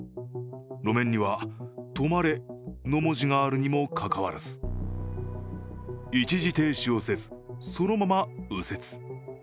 路面には「止まれ」の文字があるにもかかわらず一時停止をせず、そのまま右折。